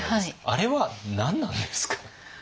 あれは何なんですか？